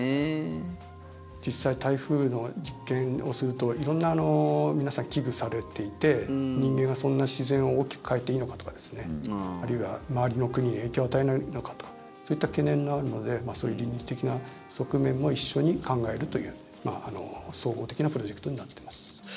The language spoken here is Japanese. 実際、台風の実験をすると色んな、皆さん危惧されていて人間がそんな自然を大きく変えていいのかとかあるいは周りの国に影響を与えないのかとそういった懸念があるのでそういう倫理的な側面も一緒に考えるという総合的なプロジェクトになっています。